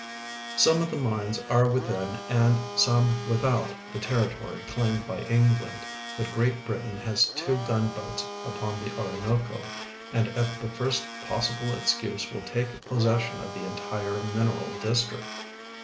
Some of the mines are Avithin and some Avithout the territory claimed by Elngland, l)ut Great Britain has tAvo gunboats ujxrn the Orinoco, and at the first possil>le excuse Avill tak(* })ossession of the entire mineral district.